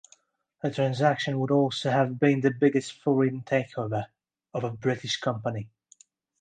The transaction would also have been the biggest foreign takeover of a British company.